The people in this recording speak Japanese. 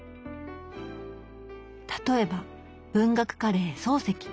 例えば文学カレー「漱石」。